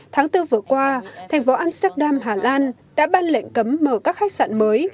tháng bốn vừa qua thành phố amsterdam hà lan đã ban lệnh cấm mở các khách sạn mới